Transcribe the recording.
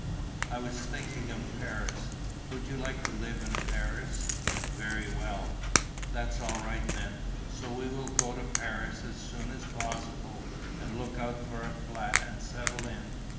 "I was thinking of Paris. Would you like to live in Paris?" "Very well." "That's all right then. So we will go to Paris as soon as possible and look out for a flat and settle in.